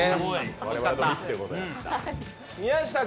我々のミスでございました。